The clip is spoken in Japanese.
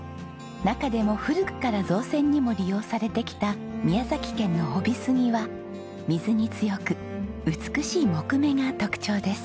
中でも古くから造船にも利用されてきた宮崎県の飫肥杉は水に強く美しい木目が特徴です。